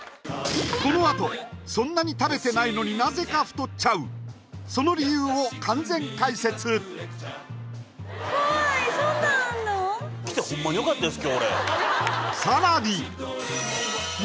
このあとそんなに食べてないのになぜか太っちゃうその理由を完全解説です